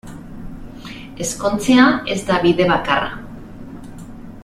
Ezkontzea ez da bide bakarra.